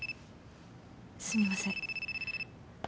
すみません。